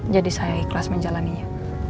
jadi saya ikhlas menjalannya